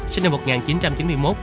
sinh năm một nghìn chín trăm chín mươi một